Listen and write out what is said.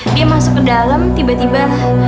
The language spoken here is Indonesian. dia masuk ke dalam tiba tiba